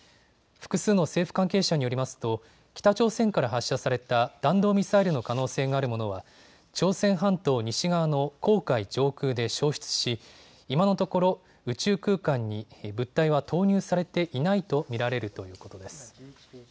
複数の政府関係者によりますと、北朝鮮から発射された弾道ミサイルの可能性があるものは、朝鮮半島西側の黄海上空で消失し、今のところ、宇宙空間に物体は投入されていないと見られるということです。